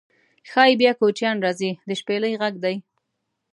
شایي بیا کوچیان راځي د شپیلۍ غږدی